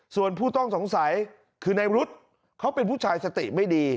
ส่วนผู้ต้องสงสัยคือในรุ๊ดเขาเป็นผู้ชายสติไม่ดี